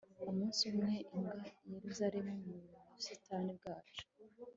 Umunsi umwe imbwa yazerera mu busitani bwacu